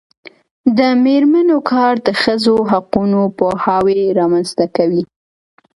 د میرمنو کار د ښځو حقونو پوهاوی رامنځته کوي.